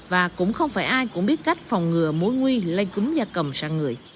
và cũng không phải ai cũng biết cách phòng ngừa mối nguy lây cúng da cầm sang người